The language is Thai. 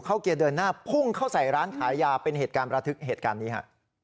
เกียร์เดินหน้าพุ่งเข้าใส่ร้านขายยาเป็นเหตุการณ์ประทึกเหตุการณ์นี้ฮะ